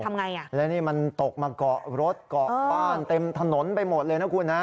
ทำไงอ่ะแล้วนี่มันตกมาเกาะรถเกาะบ้านเต็มถนนไปหมดเลยนะคุณฮะ